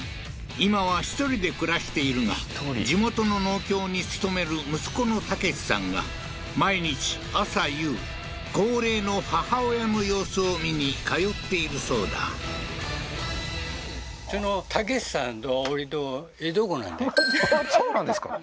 今は１人で暮らしているが地元の農協に勤める息子のタケシさんが毎日朝夕高齢の母親の様子を見に通っているそうだそうなんですか？